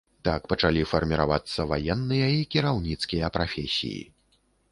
Так пачалі фарміравацца ваенныя і кіраўніцкія прафесіі.